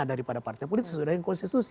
daripada partai politik sesudahnya konsensusnya